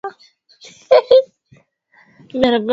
katika lugha mbalimbali kama walivyotumia Walutherani Protestanti